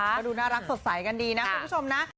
ก็ดูน่ารักสดใสกันดีนะคุณผู้ชมนะ